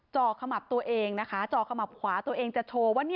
จอกขมับตัวเองจอกขมับขวาตัวเองจะโชว์ว่า